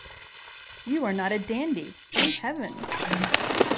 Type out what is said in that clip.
You are not a dandy, thank Heaven!